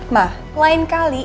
mbah lain kali